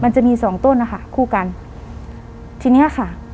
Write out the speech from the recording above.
มันจะมีสองต้นนะคะคู่กันทีเนี้ยค่ะ